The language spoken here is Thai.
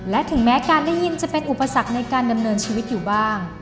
และถึงแม้การได้ยินจะเป็นอุปสรรคในการดำเนินชีวิตอยู่บ้าง